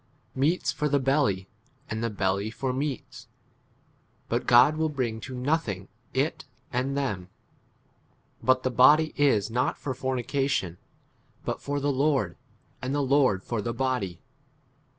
13 Meats for the belly, and the belly for meats ; but God will bring to nothing it and them : but the body [is] not for fornication, but for the Lord, and the Lord for the body.